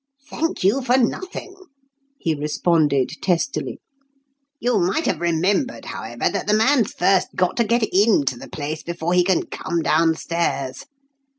"Thank you for nothing," he responded testily. "You might have remembered, however, that the man's first got to get into the place before he can come downstairs.